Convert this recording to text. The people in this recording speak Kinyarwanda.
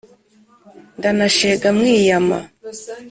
Ndanashega mwiyama